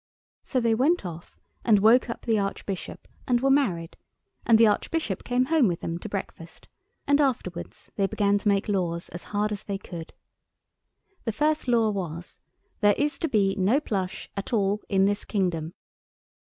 So they went off, and woke up the Archbishop, and were married, and the Archbishop came home with them to breakfast, and afterwards they began to make laws as hard as they could. The first law was "There is to be no Plush at all in this kingdom."